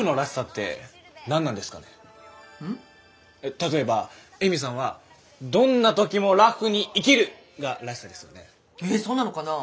例えば恵美さんは「どんな時もラフに生きる！」が「らしさ」ですよね。えそうなのかな？